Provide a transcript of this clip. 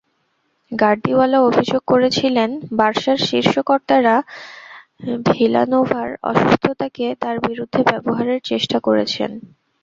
Guardiola অভিযোগ করেছিলেন, বার্সার শীর্ষ কর্তারা ভিলানোভার অসুস্থতাকে তাঁর বিরুদ্ধে ব্যবহারের চেষ্টা করেছেন।